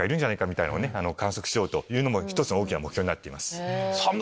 みたいのを観測しようというのも１つの大きな目標になってます。